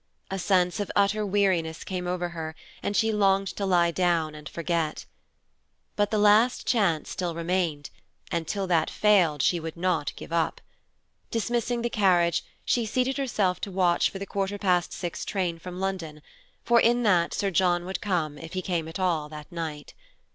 A sense of utter weariness came over her, and she longed to lie down and forget. But the last chance still remained, and till that failed, she would not give up. Dismissing the carriage, she seated herself to watch for the quarter past six train from London, for in that Sir John would come if he came at all that night.